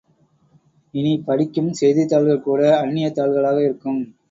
இனி படிக்கும் செய்தித்தாள்கள் கூட அந்நியத் தாள்களாக இருக்கும்!